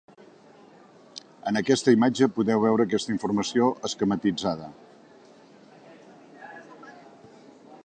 En aquesta imatge podeu veure aquesta informació esquematitzada.